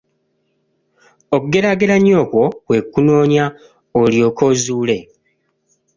Okugeraageranya okwo kwe kunoonya, olyoke ozuule.